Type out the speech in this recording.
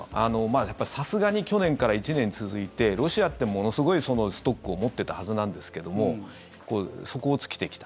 やっぱり、さすがに去年から１年続いてロシアってものすごいストックを持ってたはずなんですけども底を突いてきた。